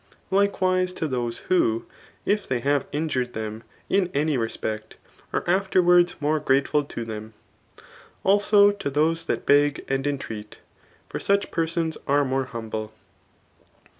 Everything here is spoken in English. JUkewise to those who (^if they have injured them in any respect, are afterwards] more grateful to them. Also to diose that beg and intreat ; for such persons are more humble.